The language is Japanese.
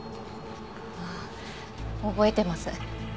ああ覚えてます。